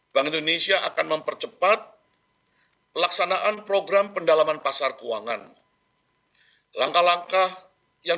bank indonesia akan mempercepat pelaksanaan program pendalaman pasar keuangan langkah langkah yang